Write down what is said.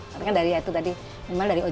karena itu tadi memang dari negara